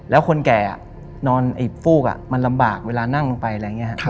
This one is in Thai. แล้วคนแก่นอนไอ้ฟูกมันลำบากเวลานั่งลงไปอะไรอย่างนี้ครับ